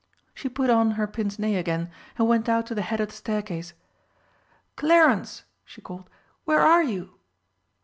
She put on her pince nez again, and went out to the head of the staircase. "Clarence!" she called, "where are you?"